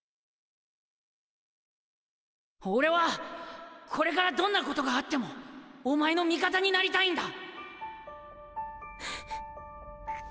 オレはこれからどんなことがあってもお前の味方になりたいんだ。